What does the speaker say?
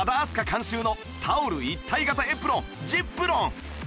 監修のタオル一体型エプロン ｚｉｐｒｏｎ